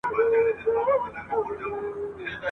د زاهد له قصده راغلم د زُنار تر پیوندونو ..